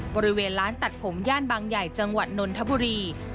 บริเวณร้านตัดผมย่านบางใหญ่จังหวัดนนทบุรี